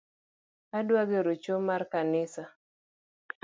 Adwa gero choo mar kanisa